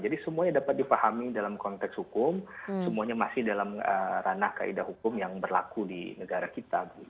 jadi semuanya dapat dipahami dalam konteks hukum semuanya masih dalam ranah kaedah hukum yang berlaku di negara kita